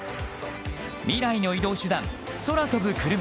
未来の移動手段、空飛ぶクルマ。